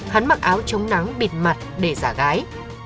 hắn mặc áo chống nắng bịt mặt để giả gái